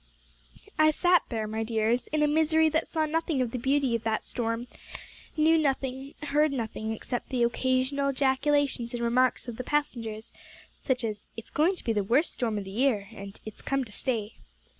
"I sat there, my dears, in a misery that saw nothing of the beauty of that storm, knew nothing, heard nothing, except the occasional ejaculations and remarks of the passengers, such as, 'It's going to be the worst storm of the year,' and 'It's come to stay.'